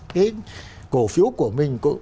cái cổ phiếu của mình